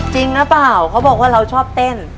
จริงหรือเปล่าเขาบอกว่าเราชอบเต้น